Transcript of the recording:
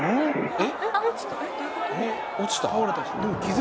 えっ？